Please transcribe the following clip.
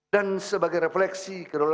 dan sebagai refleksi kedolatan